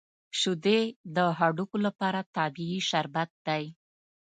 شیدې د هډوکو لپاره طبیعي شربت دی